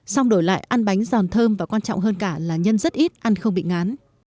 xong đổi lại ăn bánh giòn thơm và quan trọng hơn cả là nhân rất ít ăn không bị ngán